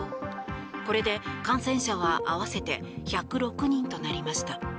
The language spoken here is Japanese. これで感染者は合わせて１０６人となりました。